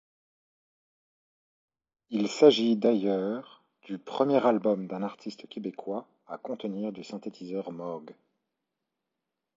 Il s'agit d'ailleurs du premier album d'un artiste québécois à contenir du synthétiseur Moog.